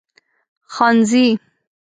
خانزي